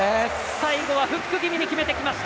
最後はフック気味に決めてきました。